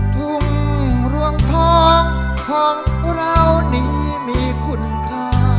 ทุ่งรวงทองของเรานี้มีคุณค่า